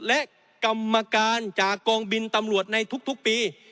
และกรรมการจากกองบินตำรวจในทุกปี